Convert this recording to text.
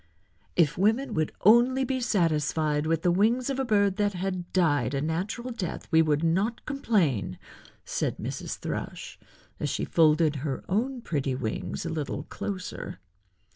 "If women would only be satisfied with the wings of a bird that had died a natural death we would not complain," said Mrs. Thrush, as she folded her own pretty wings a little closer.